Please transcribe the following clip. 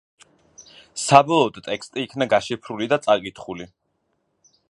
საბოლოოდ ტექსტი იქნა გაშიფრული და წაკითხული.